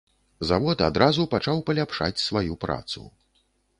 Завод адразу пачаў паляпшаць сваю працу.